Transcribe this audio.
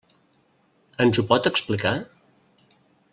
Ens ho pot explicar?